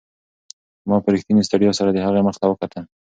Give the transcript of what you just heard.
ما په رښتینې ستړیا سره د هغې مخ ته وکتل.